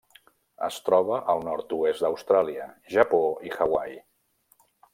Es troba al nord-oest d'Austràlia, Japó i Hawaii.